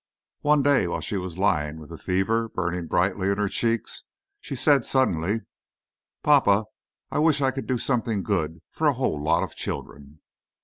One day, while she was lying with the fever burning brightly in her checks, she said suddenly: "Papa, I wish I could do something good for a whole lot of children!"